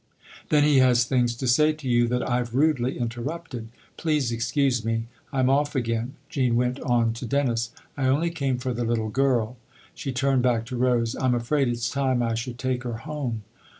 "Then he has things to say to you that I've rudely interrupted. Please excuse me I'm off again," Jean went on to Dennis. " I only came for the little girl." She turned back to Rose. " I'm afraid it's time I should take her home.".